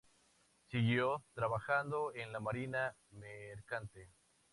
Siguió trabajando en la marina mercante.